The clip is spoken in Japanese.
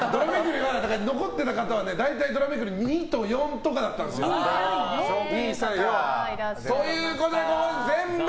残っている方は大体ドラめくりが２と４とかだったんですよ。ということで全滅。